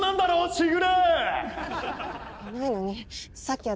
時雨。